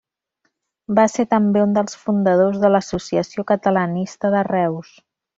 Va ser també un dels fundadors de l'Associació Catalanista de Reus.